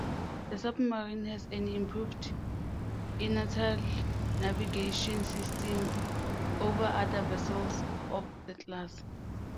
The submarine has an improved inertial navigation system over other vessels of the class.